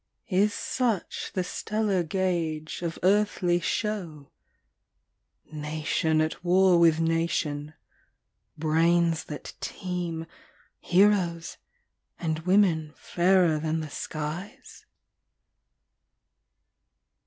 Is such the stellar gauge of earthly show, Nation at war with nation, brains that teem, Heroes, and women fairer than the skies?